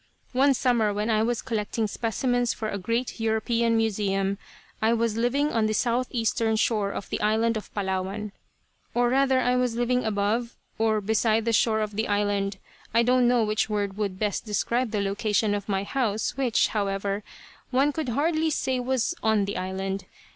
One summer when I was collecting specimens for a great European museum, I was living on the southeastern shore of the island of Palawan. Or rather I was living above, or beside the shore of the island; I don't know which word would best describe the location of my house, which, however, one could hardly say was on the island.